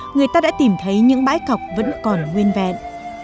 người ta đã tìm thấy những bãi cọc vẫn còn nguyên vẹn